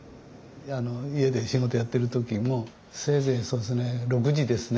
家で仕事やってる時もせいぜいそうですね６時ですね